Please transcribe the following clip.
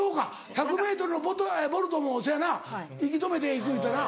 １００ｍのボルトもそうやな息止めて行く言うてたな。